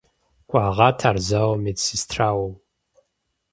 Кӏуэгъат ар зауэм медсестрауэ.